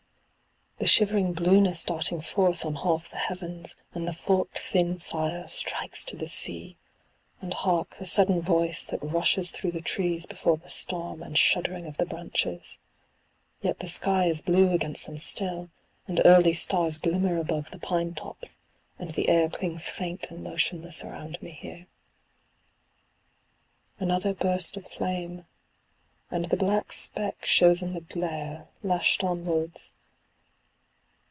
the shivering blueness darting forth on half the heavens, and the forked thin fire strikes to the sea: and hark, the sudden voice that rushes through the trees before the storm, and shuddering of the branches. Yet the sky is blue against them still, and early stars glimmer above the pine tops; and the air clings faint and motionless around me here. Another burst of flame — and the black speck shows in the glare, lashed onwards.